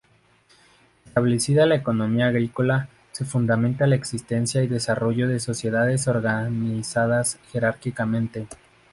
Establecida la economía agrícola, se fundamenta la existencia y desarrollo de sociedades organizadas jerárquicamente.